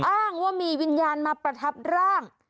อ้างว่ามีวิญญาณมาประทับร่าง